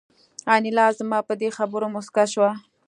انیلا زما په دې خبره موسکه شوه